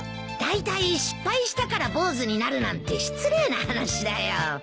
だいたい失敗したから坊主になるなんて失礼な話だよ。